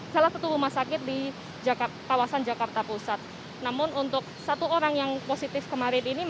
salah satu rumah sakit di kawasan jakarta pusat